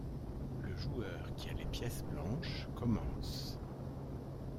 Le joueur qui a les pièces blanches commence.